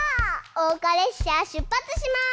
おうかれっしゃしゅっぱつします！